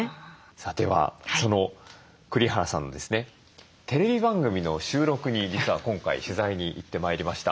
さあではその栗原さんのですねテレビ番組の収録に実は今回取材に行ってまいりました。